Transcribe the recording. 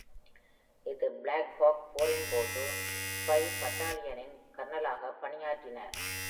அவர் Black Hawk போரின் போது "spy பட்டாலியனின்" கர்னலாக பணியாற்றினார்.